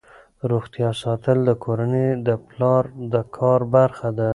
روغتیا ساتل د کورنۍ د پلار د کار برخه ده.